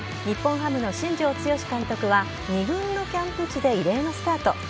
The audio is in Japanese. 日本ハムの新庄剛志監督は、２軍のキャンプ地で異例のスタート。